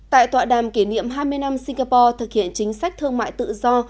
tại tọa đàm kỷ niệm hai mươi năm singapore thực hiện chính sách thương mại tự do